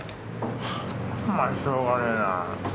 お前しょうがねえなあ。